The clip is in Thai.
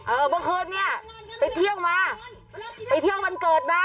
เออเมื่อคืนนี้ไปเที่ยงวันเกิดมา